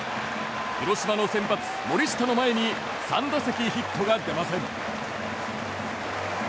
広島の先発、森下の前に３打席ヒットが出ません。